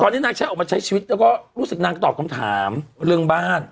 ตอนนี้นางใช้ออกมาใช้ชีวิตแล้วก็รู้สึกนางก็ตอบคำถามเรื่องบ้าน